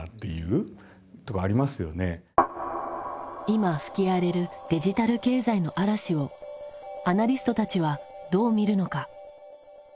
今吹き荒れるデジタル経済の嵐をアナリストたちはどう見るのか？